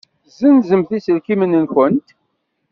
Ssenzemt iselkimen-nwent.